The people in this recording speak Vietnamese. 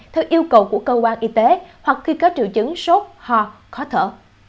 theo yêu cầu của cơ quan y tế hoặc khi có triệu chứng sốt ho khó thở